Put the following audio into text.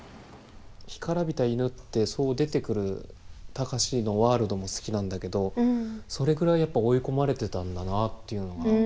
干からびた犬ってそう出てくる貴司のワールドも好きなんだけどそれぐらいやっぱ追い込まれてたんだなっていうのが。